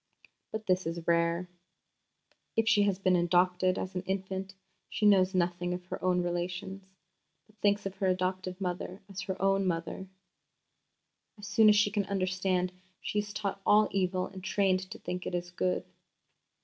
But this is rare. If she has been adopted as an infant, she knows nothing of her own relations, but thinks of her adopted mother as her own mother. As soon as she can understand she is taught all evil and trained to think it is good."